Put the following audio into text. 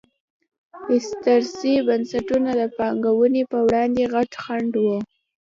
استثري بنسټونه د پانګونې پر وړاندې غټ خنډ وو.